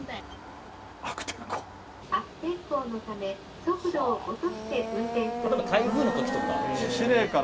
悪天候のため、速度を落とし台風のときとか。